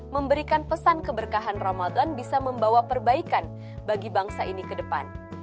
memberikan pesan keberkahan ramadan bisa membawa perbaikan bagi bangsa ini ke depan